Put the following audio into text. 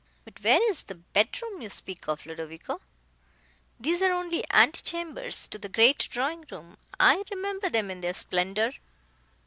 But where is the bedroom you speak of, Ludovico?—these are only ante chambers to the great drawing room. I remember them in their splendour!"